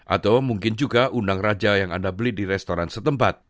atau mungkin juga undang raja yang anda beli di restoran setempat